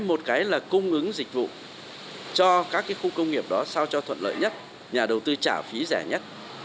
một cái là cung ứng dịch vụ cho các cái khu công nghiệp đó sao cho thuận lợi nhất nhà đầu tư trả phí rẻ nhất